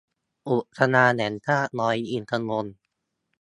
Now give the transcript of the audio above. อุทยานแห่งชาติดอยอินทนนท์